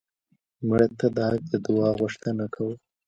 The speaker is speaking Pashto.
مړه ته د حق د دعا غوښتنه کوو